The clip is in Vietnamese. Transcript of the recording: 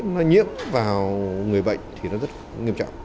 nó nhiễm vào người bệnh thì nó rất nghiêm trọng